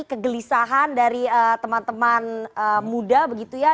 kegelisahan dari teman teman muda